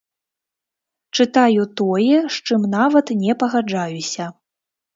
Чытаю тое, з чым нават не пагаджаюся.